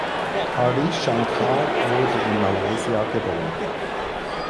Harish Shankar wurde in Malaysia geboren.